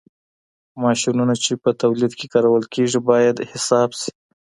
ماشينونه چي په توليد کي کارول کېږي، بايد حساب سي.